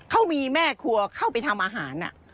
เขามีแม่ครัวเข้าไปทำอาหาร